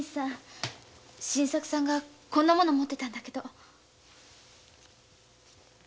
新作さんがこんな物もってたんだけど。